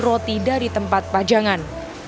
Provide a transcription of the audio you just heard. roti dari tempat pajangan